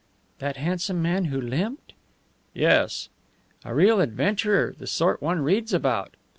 "That handsome man who limped?" "Yes." "A real adventurer the sort one reads about!"